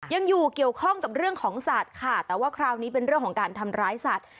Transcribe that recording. ยังอยู่เกี่ยวข้องกับเรื่องของสัตว์ค่ะแต่ว่าคราวนี้เป็นเรื่องของการทำร้ายสัตว์